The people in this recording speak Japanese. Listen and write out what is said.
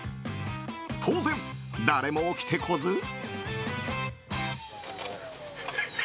当然、誰も起きてこず。